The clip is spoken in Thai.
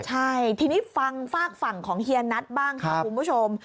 ใช่ทีนี้ฟังฝากฝั่งของเฮียนัทบ้างค่ะคุณผู้ชม